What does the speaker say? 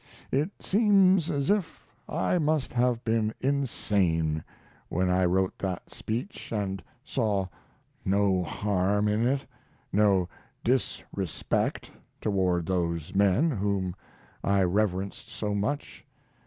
It seems as if I must have been insane when I wrote that speech and saw no harm in it, no disrespect toward those men whom I reverenced so much.